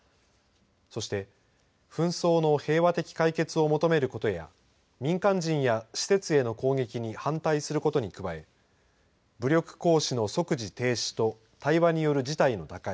そして、紛争の平和的解決を求めることや民間人や施設への攻撃に反対することに加え武力行使の即時停止と対話による事態の打開